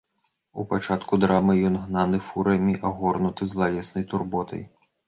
У пачатку драмы ён, гнаны фурыямі, агорнуты злавеснай турботай.